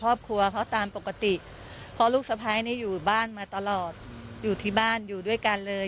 ครอบครัวเขาตามปกติเพราะลูกสะพ้ายนี่อยู่บ้านมาตลอดอยู่ที่บ้านอยู่ด้วยกันเลย